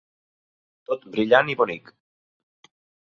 Tot brillant i bonic.